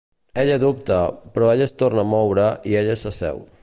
Ella dubta, però ell es torna a moure i ella s'asseu.